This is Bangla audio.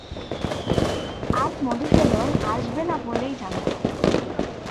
আজ মধুসূদন আসবে না বলেই জানত।